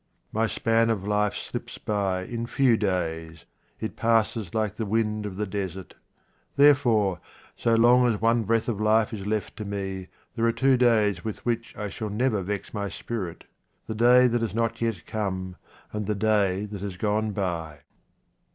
My span of life slips by in few days. It passes like the wind of the desert. Therefore, so long as one breath of life is left to me, there are two days with which I shall never vex my spirit — the day that has not yet come, and the day that has gone by.